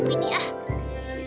mungkin repot semua orang aja